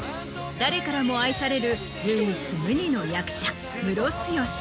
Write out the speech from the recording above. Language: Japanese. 誰からも愛される唯一無二の役者ムロツヨシ。